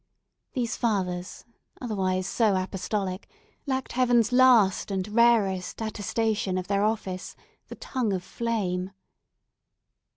These fathers, otherwise so apostolic, lacked Heaven's last and rarest attestation of their office, the Tongue of Flame.